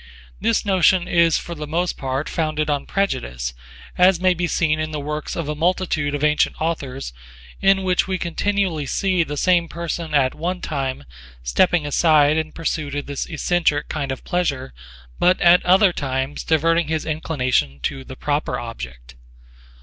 This notion is for the most part founded on prejudice as may be seen in the works of a multitude of antient authors in which we continually see the same person at one time stepping aside in pursuit of this eccentric kind of pleasure but at other times diverting his inclination to the proper object.